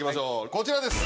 こちらです。